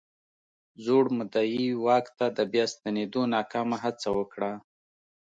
زوړ مدعي واک ته د بیا ستنېدو ناکامه هڅه وکړه.